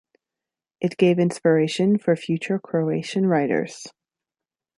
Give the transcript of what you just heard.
It gave inspiration for future Croatian writers.